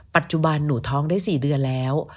ปัจจุบันหนูท้องได้๔เดือนแล้ว